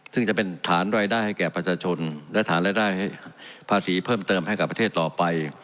ซึ่งจะเป็นฐานรายได้ให้แก่ประชาชนและฐานรายได้ภาษีเพิ่มเติมให้กับประเทศต่อไป